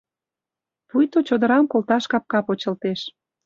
Пуйто чодырам колташ капка почылтеш.